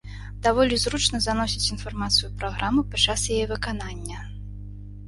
Даволі зручна заносіць інфармацыю ў праграму падчас яе выканання.